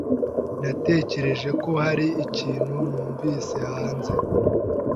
Natekereje ko hari ikintu numvise hanze.